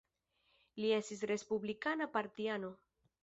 Li estis respublikana partiano.